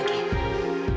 nggak ada lagi